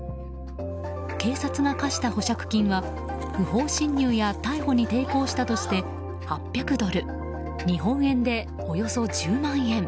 警察が科した保釈金は不法侵入や逮捕に抵抗したとして８００ドル日本円でおよそ１０万円。